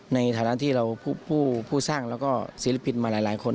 ในฐานะที่เราผู้สร้างแล้วก็ศิลปินมาหลายคน